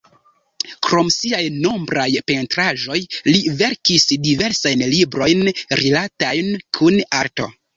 Krom siaj nombraj pentraĵoj, li verkis diversajn librojn rilatajn kun arto.